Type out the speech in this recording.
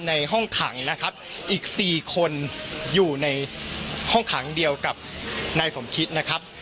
ในห้องขังนะครับอีกสี่คนอยู่ในห้องขังเดียวกับนายสมคิดนะครับ